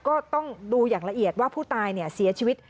ก็ต้องดูอย่างละเอียดว่าผู้ตายเสียชีวิต